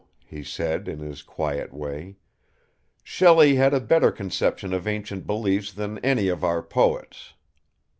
he said, in his quiet way. "Shelley had a better conception of ancient beliefs than any of our poets."